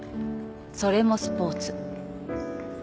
それもスポーツ。